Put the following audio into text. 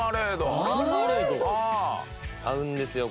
合うんですよ